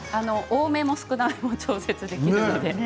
多めも少なめも調節できるので。